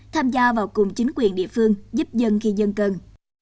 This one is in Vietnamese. tham gia vào cùng chính quyền địa phương giúp dân khi dân cần